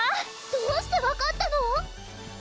どうして分かったの？